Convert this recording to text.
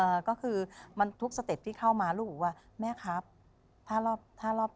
เอ่อก็คือมันทุกสเต็ปที่เข้ามาลูกบอกว่าแม่ครับถ้ารอบถ้ารอบ